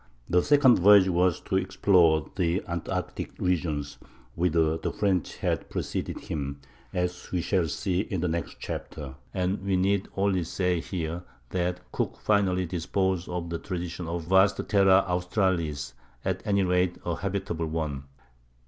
The second voyage was to explore the Antarctic regions, whither the French had preceded him, as we shall see in the next chapter; and we need only say here that Cook finally disposed of the tradition of a vast terra australis—at any rate a habitable one.